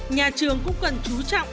nhà trường cũng cần chú trọng